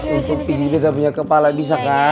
untuk pijit betta punya kepala bisa kah